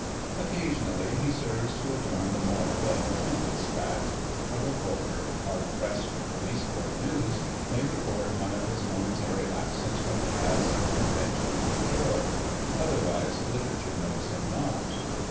Occasionally he serves to adorn the moral of a temperance tract: a reporter, hard pressed for police court news, may record one of his momentary lapses from the paths of convention ashore. Otherwise Literature knows him not.